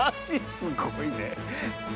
すごいな。